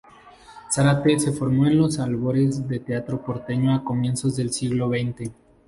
Zárate se formó en los albores del teatro porteño a comienzos del siglo xx.